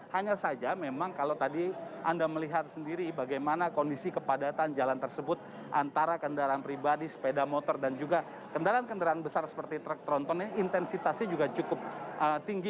hanya saja memang kalau tadi anda melihat sendiri bagaimana kondisi kepadatan jalan tersebut antara kendaraan pribadi sepeda motor dan juga kendaraan kendaraan besar seperti truk tronton ini intensitasnya juga cukup tinggi